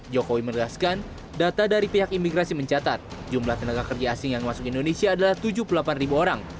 jokowi menegaskan data dari pihak imigrasi mencatat jumlah tenaga kerja asing yang masuk indonesia adalah tujuh puluh delapan ribu orang